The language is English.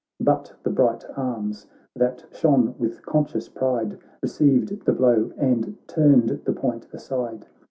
But the bright arms, that shone with conscious pride. Received the blow, and turned the point aside.